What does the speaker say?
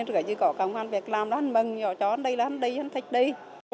như có công ăn việc làm là hắn mừng cho hắn đi là hắn đi hắn thích đi